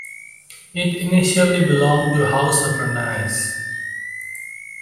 It initially belonged to the House of Rennes.